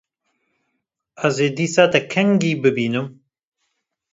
Ez ê dîsa te kengî bibînim?